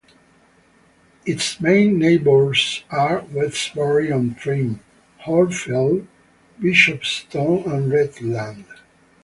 Its main neighbours are Westbury on Trym, Horfield, Bishopston and Redland.